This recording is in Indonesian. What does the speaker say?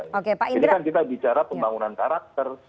ini kan kita bicara pembangunan karakter